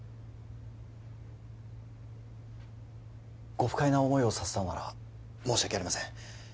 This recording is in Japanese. ご不快な思いをさせたのなら申し訳ありません